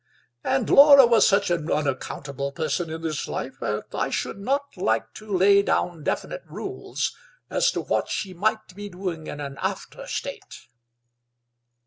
And Laura was such an unaccountable person in this life that I should not like to lay down definite rules as to what she might be doing in an after state."